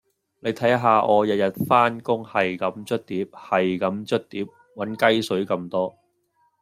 你睇下我日日返工係咁捽碟係咁捽碟搵雞碎咁多